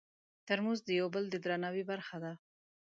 ترموز د یو بل د درناوي برخه ده.